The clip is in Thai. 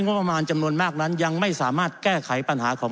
งบประมาณจำนวนมากนั้นยังไม่สามารถแก้ไขปัญหาของ